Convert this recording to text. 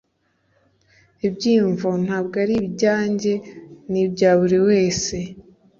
Ibyiyumvo ntabwo ari ibyanjye nibyaburiwese